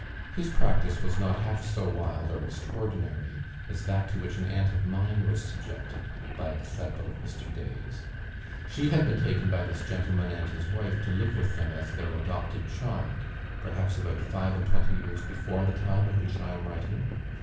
His practice was not half so wild or extraordinary as that to which an aunt of mine was subjected by a disciple of Mr. Day's. She had been taken by this gentleman and his wife, to live with them as their adopted child, perhaps about five and twenty years before the time of which I am writing.